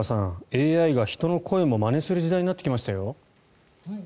ＡＩが人の声もまねする時代になってきましたよ。